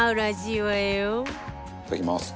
いただきます。